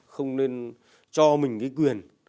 không nên cho mình cái quyền